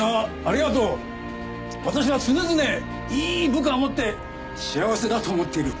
私は常々いい部下を持って幸せだと思っている。